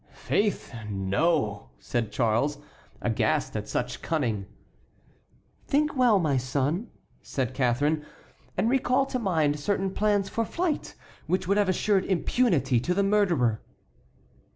"Faith, no!" said Charles, aghast at such cunning. "Think well, my son," said Catharine, "and recall to mind certain plans for flight which would have assured impunity to the murderer."